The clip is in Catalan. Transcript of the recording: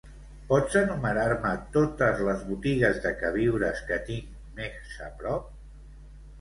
Pots enumerar-me totes les botigues de queviures que tinc més a prop?